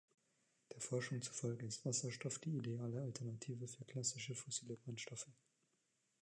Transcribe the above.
Der Forschung zufolge ist Wasserstoff die ideale Alternative für klassische fossile Brennstoffe.